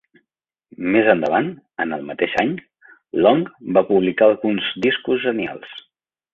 Més endavant, en el mateix any, Long va publicar alguns discos genials.